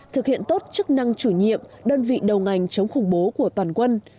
thực hiện tốt chức năng chủ nhiệm đơn vị đầu ngành chống khủng bố của toàn quân